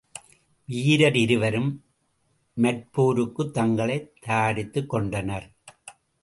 வீரர் இருவரும் மற்போருக்குத் தங்களைத் தயாரித்துக்கொண்டனர்.